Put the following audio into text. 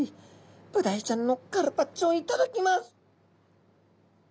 ブダイちゃんのカルパッチョを頂きます。